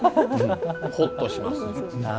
ほっとします。